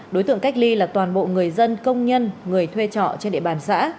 đối tượng cách ly là toàn bộ người dân công nhân người thuê trọ trên địa bàn xã